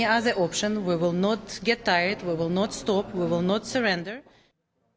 kita tidak akan terlalu penat kita tidak akan berhenti kita tidak akan menyerah